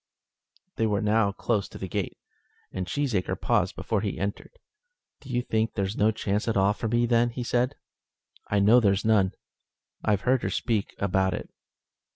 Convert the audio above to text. They were now close to the gate, and Cheesacre paused before he entered. "Do you think there's no chance at all for me, then?" said he. "I know there's none. I've heard her speak about it."